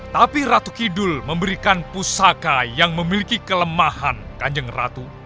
tapi ratu kidul memberikan pusaka yang memiliki kelemahan kanjeng ratu